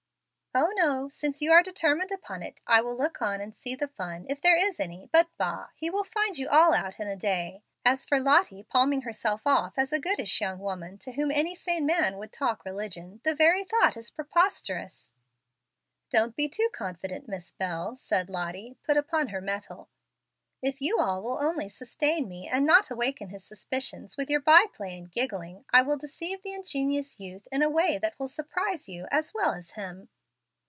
"Oh, no! Since you are determined upon it, I will look on and see the fun, if there is any. But, bah! He will find you all out in a day. As for Lottie palming herself off as a goodish young woman to whom any sane man would talk religion, the very thought is preposterous!" "Don't be too confident, Miss Bel," said Lottie, put upon her mettle. "If you all will only sustain me and not awaken his suspicions with your by play and giggling, I will deceive the ingenuous youth in a way that will surprise you as well as him.